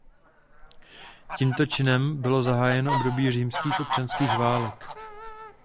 Tímto činem bylo zahájeno období římských občanských válek.